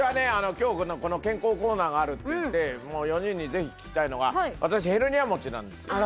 今日この健康コーナーがあるっていってもう４人にぜひ聞きたいのが私ああそうですよね